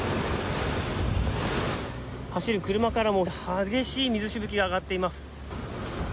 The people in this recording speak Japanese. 走る車からも激しい水しぶきが上がっています。